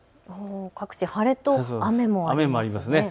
各地晴れと雨もありますね。